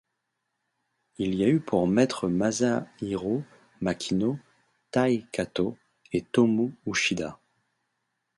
Il y a eu pour maîtres Masahiro Makino, Tai Katō et Tomu Uchida.